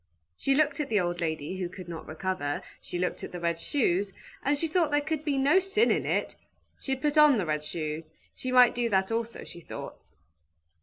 She looked at the old lady, who could not recover, she looked at the red shoes, and she thought there could be no sin in it; she put on the red shoes, she might do that also, she thought.